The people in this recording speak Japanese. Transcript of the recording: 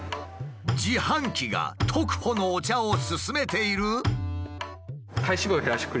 自販機が特保のお茶を勧めている？